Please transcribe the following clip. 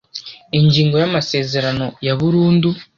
Ingingo ya Amasezerano ya burundu